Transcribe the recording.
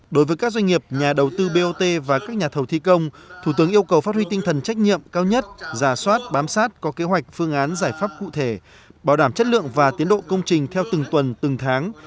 đối với các doanh nghiệp nhà đầu tư bot và các nhà thầu thi công thủ tướng yêu cầu phát huy tinh thần trách nhiệm cao nhất giả soát bám sát có kế hoạch phương án giải pháp cụ thể bảo đảm chất lượng và tiến độ công trình theo từng tuần từng tháng